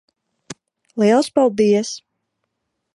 Liels paldies.